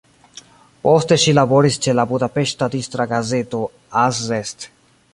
Poste ŝi laboris ĉe la budapeŝta distra gazeto "Az Est".